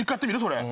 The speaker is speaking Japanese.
それ。